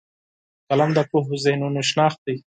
قلم د پوهو ذهنونو شناخت دی